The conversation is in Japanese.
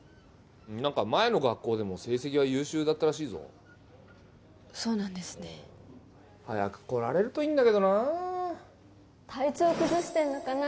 何か前の学校でも成績は優秀だったらしいぞそうなんですね早く来られるといいんだけどな体調崩してんのかな？